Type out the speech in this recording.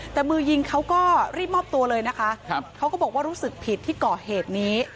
แต่มือยิงเขาก็รีบมอบตัวเลยนะคะเขาก็บอกว่ารู้สึกผิดที่ก่อเหตุนี้